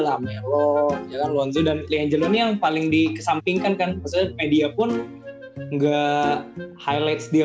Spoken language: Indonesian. lamelon jangan lonzo dan pilihan jenon yang paling dikesampingkan kan media pun nggak highlights dia